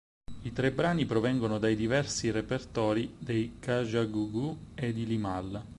I tre brani provengono dai diversi repertori dei Kajagoogoo e di Limahl.